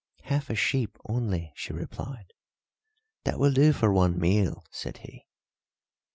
"Half a sheep only," she replied. "That will do for one meal," said he.